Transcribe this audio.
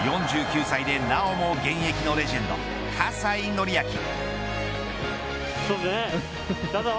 ４９歳でなおも現役のレジェンド葛西紀明。